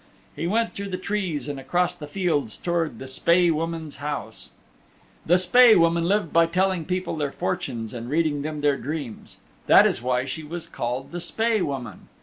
He went through the trees and across the fields towards the Spae Woman's house. The Spae Woman lived by telling people their fortunes and reading them their dreams. That is why she was called the Spae Woman.